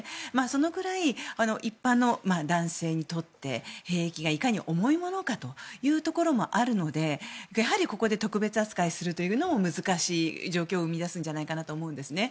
そのくらい一般の男性にとって兵役がいかに重いものかというところもあるのでやはりここで特別扱いするというのも難しい状況を生み出すんじゃないかなと思うんですね。